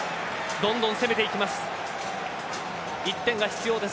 どんどん攻めていきます。